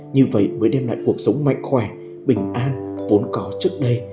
như vậy mới đem lại cuộc sống mạnh khỏe bình an vốn có trước đây